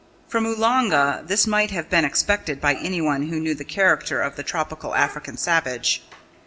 From Oolanga, this might have been expected by anyone who knew the character of the tropical African savage.